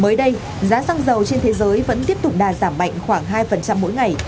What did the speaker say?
mới đây giá xăng dầu trên thế giới vẫn tiếp tục đà giảm mạnh khoảng hai mỗi ngày